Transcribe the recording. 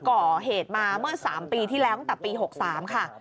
ก่อเหตุมาเมื่อ๓ปีที่แล้วตั้งแต่ปี๖๓ค่ะ